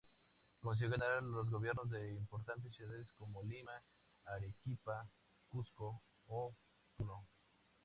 Consiguió ganar los gobiernos de importantes ciudades como Lima, Arequipa, Cusco o Puno.